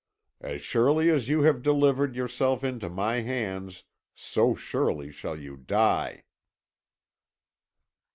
As surely as you have delivered yourself into my hands, so surely shall you die!"